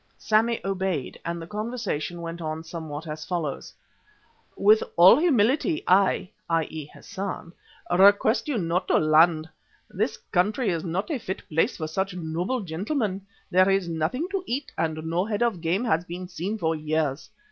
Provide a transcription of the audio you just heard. Sammy obeyed, and the conversation went on somewhat as follows: "With all humility I (i.e. Hassan) request you not to land. This country is not a fit place for such noble gentlemen. There is nothing to eat and no head of game has been seen for years.